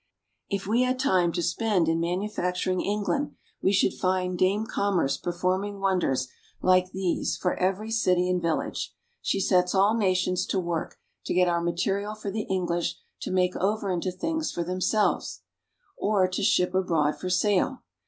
If we had time to spend in manufacturing England, we should find Dame Commerce performing wonders like MANUFACTURING ENGLAND. 6l these for every city and village. She sets all nations to work to get out material for the English to make over into things for themselves, or to ship abroad for sale.